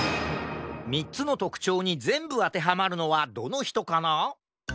３つのとくちょうにぜんぶあてはまるのはどのひとかな？